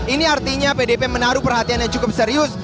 ini artinya pdip menaruh perhatian yang cukup serius